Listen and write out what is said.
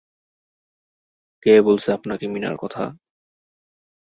কে বলেছে আপনাকে মীনার কথা?